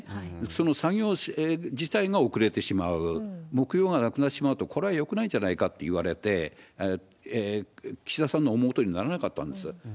その作業自体が遅れてしまう、目標がなくなってしまうと、これはよくないんじゃないかといわれて、岸田さんの思うとおりにならなかったんです。